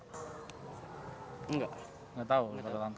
pemilik sg syahik